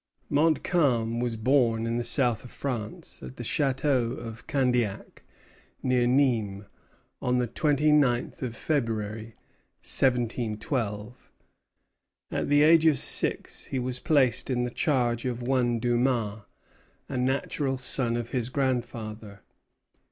Montcalm was born in the south of France, at the Château of Candiac, near Nîmes, on the twenty ninth of February, 1712. At the age of six he was placed in the charge of one Dumas, a natural son of his grandfather.